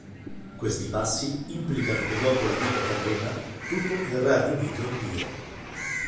Questi passi implicano che dopo la vita terrena, tutto verrà riunito in Dio.